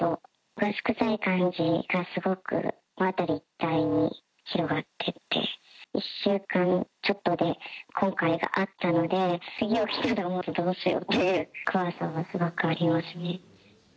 ガス臭い感じがすごく辺り一帯に広がっていって、１週間ちょっとで今回があったので、次、起きたらどうしようっていう怖さはすごくありますね。